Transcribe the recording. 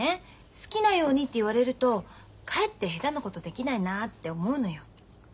「好きなように」って言われるとかえって下手なことできないなって思うのよ。